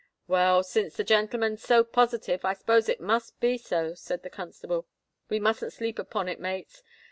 "Well, since the gentleman's so positive, I 'spose it must be so," said the constable: "we musn't sleep upon it, mates.